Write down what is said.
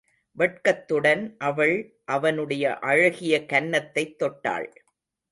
வெட்கத்துடன் அவள் அவனுடைய அழகிய கன்னத்தைத் தொட்டாள்.